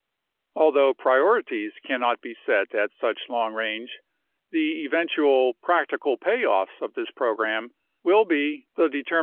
Although priorities cannot be set at such long range, the eventual practical payoffs of this program will be the determination of i r».